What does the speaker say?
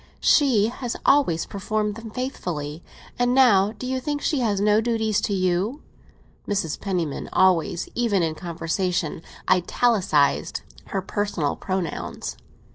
"She has always performed them faithfully; and now, do you think she has no duties to you?" Mrs. Penniman always, even in conversation, italicised her personal pronouns.